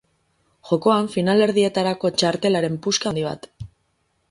Jokoan finalerdietarako txartelaren puska handi bat.